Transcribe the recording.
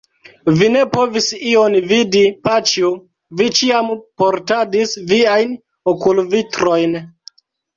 Vi ne povis ion vidi, paĉjo, vi ĉiam portadis viajn okulvitrojn.